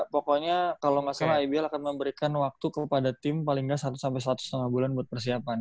pokoknya kalau nggak salah ibl akan memberikan waktu kepada tim paling nggak satu sampai satu setengah bulan buat persiapan